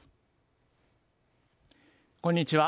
こんにちは。